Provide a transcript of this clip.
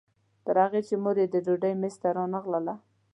تر هغې چې مور یې د ډوډۍ میز ته رانغله.